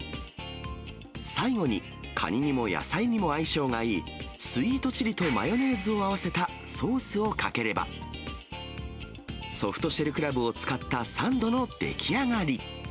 最後にカニにも野菜にも相性がいいスイートチリとマヨネーズを合わせたソースをかければ、ソフトシェルクラブを使ったサンドの出来上がり。